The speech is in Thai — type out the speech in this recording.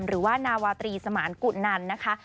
หรือว่านาวาตรีสมานกุนันนะคะ